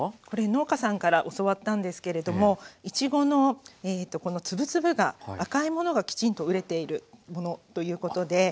これ農家さんから教わったんですけれどもいちごの粒々が赤いものがきちんと熟れているものということで。